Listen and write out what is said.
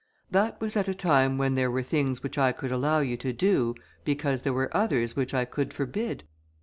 "That was at a time when there were things which I could allow you to do, because there were others which I could forbid.